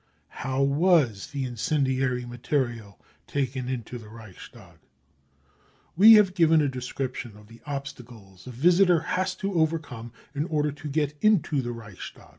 How was the Incendiary Material Taken into the Reichstag ? We have given a description of the obstacles a visitor has to overcome in order to get into the Reichstag.